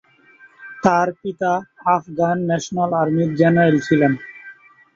তার পিতা আফগান ন্যাশনাল আর্মির জেনারেল ছিলেন।